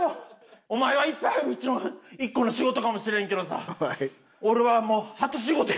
お前はいっぱいあるうちの１個の仕事かもしれんけどさ俺はもう初仕事や。